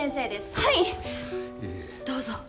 はい、どうぞ。